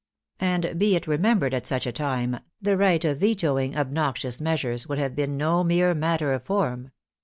xA.nd be it remembered at such a time, the right of vetoing obnoxious measures would have been no mere matter of form.